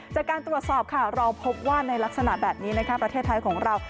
จากการตรวจสอบค่ะเราพบว่าในลักษณะแบบนี้ประเทศไทยของเรา